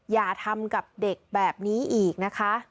อย่าทำกับเด็กแบบนี้อีกนะคะ